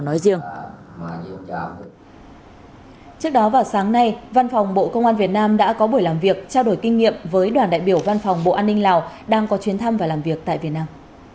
trước đó vào sáng nay văn phòng bộ công an việt nam đã có buổi làm việc trao đổi kinh nghiệm với đoàn đại biểu văn phòng bộ an ninh lào đang có chuyến thăm và làm việc tại việt nam